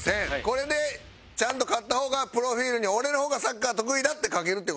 これでちゃんと勝った方がプロフィールに俺の方がサッカー得意だって書けるって事です。